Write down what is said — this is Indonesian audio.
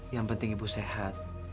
yang penting ibu sehat